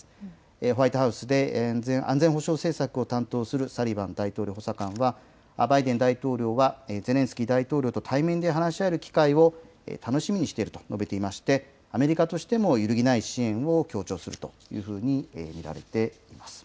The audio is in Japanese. ホワイトハウスで安全保障政策を担当するサリバン大統領補佐官は、バイデン大統領はゼレンスキー大統領と対面で話し合える機会を楽しみにしていると述べていまして、アメリカとしても揺るぎない支援を強調するというふうに見られています。